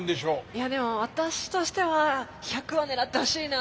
いやでも私としては１００羽狙ってほしいな。